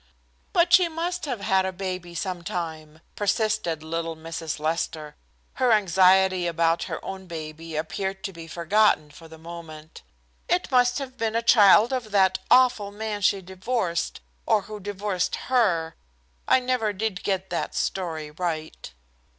"But she must have had a baby some time," persisted little Mrs. Lester. Her anxiety about her own baby appeared to be forgotten for the moment. "It must have been a child of that awful man she divorced, or who divorced her. I never did get that story right."